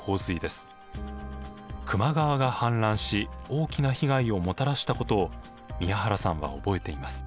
球磨川が氾濫し大きな被害をもたらしたことを宮原さんは覚えています。